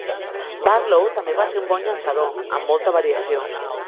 Barlow també va ser un bon llançador amb molta variació.